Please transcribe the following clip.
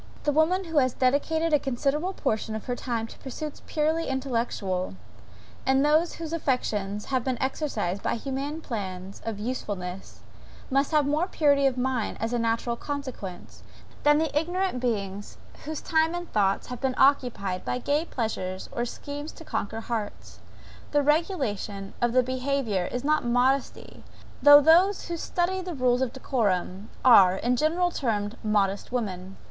The woman who has dedicated a considerable portion of her time to pursuits purely intellectual, and whose affections have been exercised by humane plans of usefulness, must have more purity of mind, as a natural consequence, than the ignorant beings whose time and thoughts have been occupied by gay pleasures or schemes to conquer hearts. The regulation of the behaviour is not modesty, though those who study rules of decorum, are, in general termed modest women.